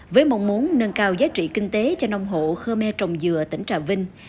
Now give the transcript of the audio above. với mong muốn nâng cao giá trị kinh tế cho nông hộ khơ me trồng dừa tỉnh trà vinh